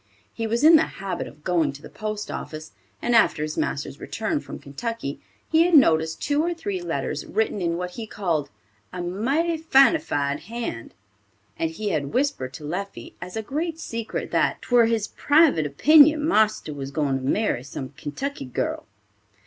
He was in the habit of going to the post office, and after his master's return from Kentucky, he had noticed two or three letters written in what he called "a mighty fineified hand," and he had whispered to Leffie as a great secret that "'twere his private opinion marster was going to marry some Kentucky girl."